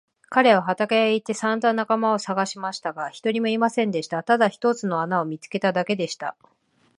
彼は畑へ行ってさんざん仲間をさがしましたが、一人もいませんでした。ただ一つの穴を見つけただけでした。